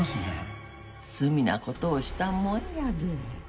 罪な事をしたもんやで。